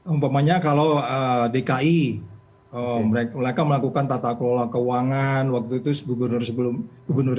umpamanya kalau dki mereka melakukan tata kelola keuangan waktu itu sebuah bener sebelum gubernur